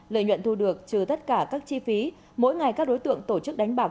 lợi nhuận thu được trừ tất cả các chi phí mỗi ngày các đối tượng tổ chức đánh bạc